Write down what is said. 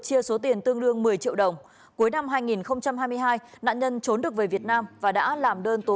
chia số tiền tương đương một mươi triệu đồng cuối năm hai nghìn hai mươi hai nạn nhân trốn được về việt nam và đã làm đơn tố